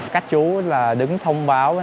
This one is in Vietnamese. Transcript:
các chú đứng thông báo